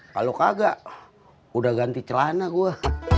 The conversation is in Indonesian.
kalau kagak udah ganti celana gue